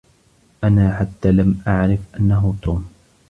أنا حتى لم أعرف أنه توم.